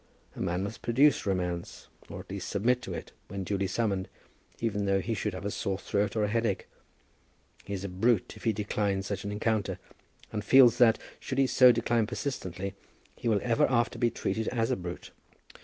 A man must produce romance, or at least submit to it, when duly summoned, even though he should have a sore throat or a headache. He is a brute if he decline such an encounter, and feels that, should he so decline persistently, he will ever after be treated as a brute.